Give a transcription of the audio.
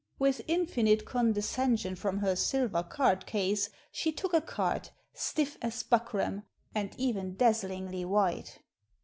With infinite condescension from her silver card case she took a card, stiff as buckram, and even dazzlingly white.